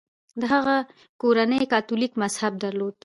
د هغه کورنۍ کاتولیک مذهب درلود.